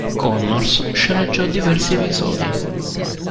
Connors sceneggiò diversi episodi.